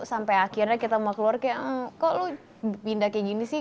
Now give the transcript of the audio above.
sampai akhirnya kita mau keluar kayak kok lo pindah kayak gini sih